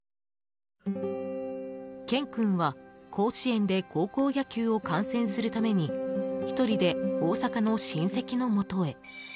健君は甲子園で高校野球を観戦するために１人で大阪の親戚のもとへ。